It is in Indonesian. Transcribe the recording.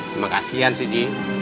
semakasih sih ji